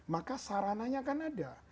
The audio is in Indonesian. maka sarananya kan ada